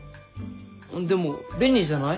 でも便利じゃない？